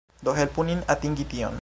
Do helpu nin atingi tion